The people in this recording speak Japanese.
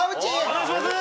お願いします！